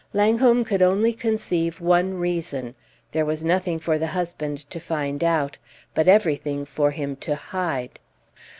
Langholm could only conceive one reason: there was nothing for the husband to find out, but everything for him to hide.